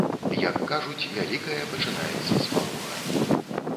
Як кажуць, вялікае пачынаецца з малога.